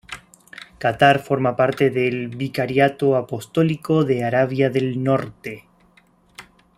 Catar forma parte del Vicariato Apostólico de Arabia del Norte.